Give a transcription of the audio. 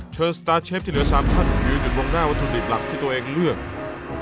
สตาร์เชฟที่เหลือ๓ท่านยืนอยู่มองหน้าวัตถุดิบหลักที่ตัวเองเลือก